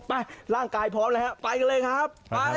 ไปร่างกายพร้อมแล้วฮะไปกันเลยครับไป